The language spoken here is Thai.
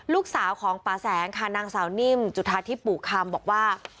ลูกสาวของป่าแสงค่ะนางสาวนิ่มจุธาทิพย์ปู่คำบอกว่า